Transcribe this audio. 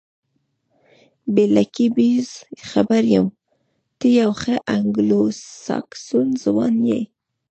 بې لکۍ بیزو، خبر یم، ته یو ښه انګلوساکسون ځوان یې.